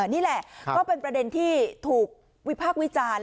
นี่แหละก็เป็นประเด็นที่ถูกวิพากษ์วิจารณ์